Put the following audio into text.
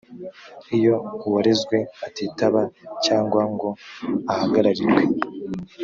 iyo uwarezwe atitaba cyangwa ngo ahagararirwe